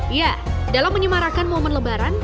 ya dalam menyemarakan momen lebaran